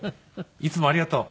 いつもありがとう。